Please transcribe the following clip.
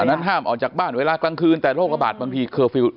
นั้นห้ามออกจากบ้านเวลากลางคืนแต่โรคระบาดบางทีเคอร์ฟิลล